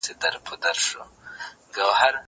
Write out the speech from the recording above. زه ځواب ليکلی دی!؟